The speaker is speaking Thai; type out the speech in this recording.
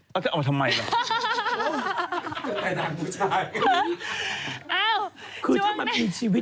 เป็นหน้าเหมือนเลยใช่มะ